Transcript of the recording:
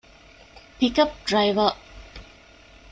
ޕިކަޕް ޑްރައިވަރ